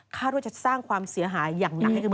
คาดว่าจะสร้างความเสียหายอย่างหนัก